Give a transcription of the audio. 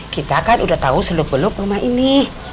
kita kan udah tahu seluk beluk rumah ini